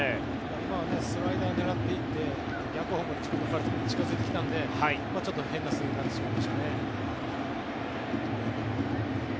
今はスライダーを狙っていって逆方向、自分に近付いてきたのでちょっと変なスイングになってしまいましたね。